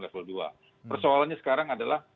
level dua persoalannya sekarang adalah